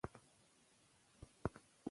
هغه خلک چې خاندي او خوښ وي عمر اوږد لري.